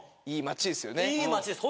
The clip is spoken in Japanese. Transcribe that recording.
いい町です。